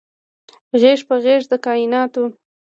غیږ په غیږ د کائیناتو